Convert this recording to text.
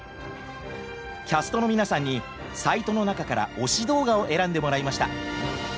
キャストの皆さんにサイトの中から推し動画を選んでもらいました。